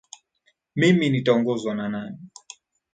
Mimi nitaongozwa na nani